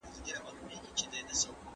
ښه زړه تل خوښي راولي